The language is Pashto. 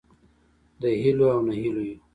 د هیلو او نهیلیو